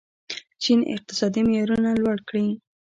چین اقتصادي معیارونه لوړ کړي.